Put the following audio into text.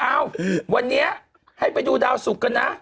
เอ้าวันนี้ให้ไปดูดาวสุกกันนะ